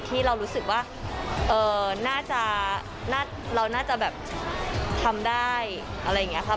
ที่เรารู้สึกว่าน่าจะเราน่าจะแบบทำได้อะไรอย่างนี้ครับ